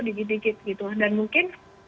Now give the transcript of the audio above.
dikit dikit gitu dan mungkin